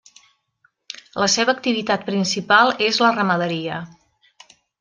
La seva activitat principal és la ramaderia.